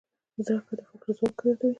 زده کړه د فکر ځواک زیاتوي.